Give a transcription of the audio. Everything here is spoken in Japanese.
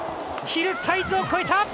ヒルサイズを越えた！